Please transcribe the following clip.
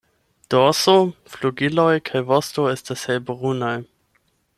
Dorso, flugiloj kaj vosto estas helbrunaj.